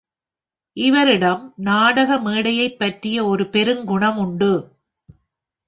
இவரிடம் நாடக மேடையைப் பற்றிய ஒரு பெருங்குணம் உண்டு.